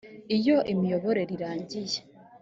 iyo imiyoborere irangiye